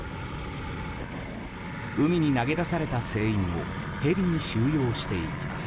海に投げ出された船員をヘリに収容していきます。